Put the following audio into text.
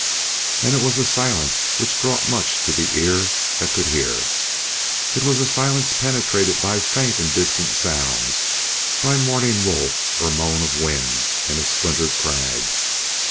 And it was a silence which brought much to the ear that could hear. It was a silence penetrated by faint and distant sounds, by mourning wolf, or moan of wind in a splintered crag.